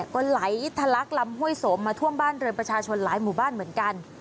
ก็ไหลทะลักลำห้วยโสมมาท่วมบ้านเรือนประชาชนหลายหมู่บ้านเหมือนกัน